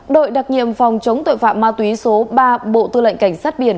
đội đặc nhiệm phòng chống tội phạm ma túy số ba bộ tư lệnh cảnh sát biển